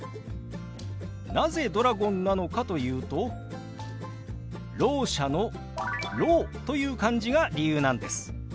なぜドラゴンなのかというと聾者の「聾」という漢字が理由なんです。